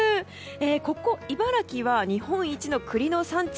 ここ茨城は日本一の栗の産地。